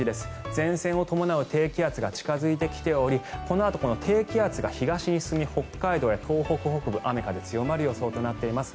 前線を伴う低気圧が近付いてきておりこのあと低気圧が東へ進み北海道や東北北部雨、風強まる予想となっています。